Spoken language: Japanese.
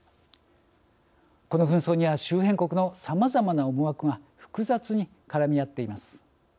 この紛争には周辺国のさまざまな思惑が複雑に絡み合っています。